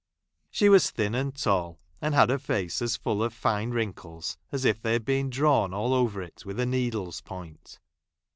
She was thin and tall, and had a face as full of fine wrinkles as if they had been drawn all over it with a needle's point.